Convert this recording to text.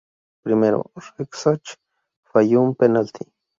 Primero, Rexach falló un penalti.